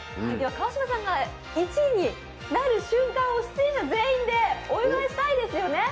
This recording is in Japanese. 川島さんが１位になる瞬間を全員でお祝いしたいですよね。